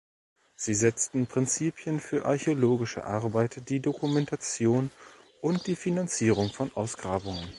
Sie setzen Prinzipien für archäologische Arbeit, die Dokumentation und die Finanzierung von Ausgrabungen.